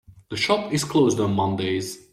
The shop is closed on Mondays.